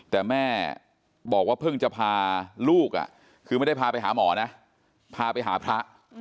แต่แม่บอกว่าเพิ่งจะพาลูกคือไม่ได้พาไปหาหมอนะพาไปหาพระ